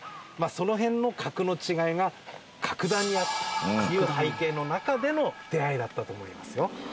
その辺の格の違いが格段にあったという背景の中での出会いだったと思いますよ。